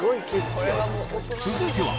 ［続いては。